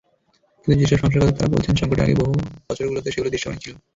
কিন্তু যেসব সমস্যার কথা তাঁরা বলছেন, সংকটের আগের বছরগুলোতে সেগুলো দৃশ্যমানই ছিল।